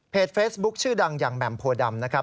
เฟซบุ๊คชื่อดังอย่างแหม่มโพดำนะครับ